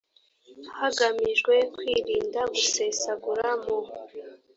hagamijwe kwirinda gusesagura mu